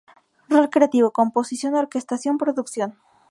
Rol Creativo: "Composición, Orquestación, Producción.